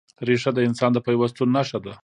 ریښه د انسان د پیوستون نښه ده.